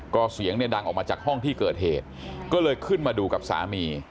ก็เสียงเนี่ยดังออกมาจากห้องที่เกิดเหตุก็เลยขึ้นมาดูกับสามี